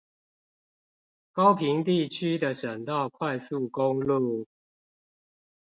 高屏地區的省道快速公路